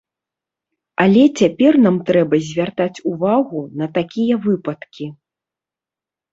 Але цяпер нам трэба звяртаць увагу на такія выпадкі.